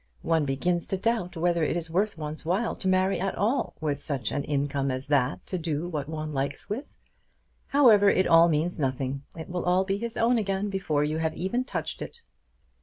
One begins to doubt whether it is worth one's while to marry at all with such an income as that to do what one likes with! However, it all means nothing. It will all be his own again before you have even touched it."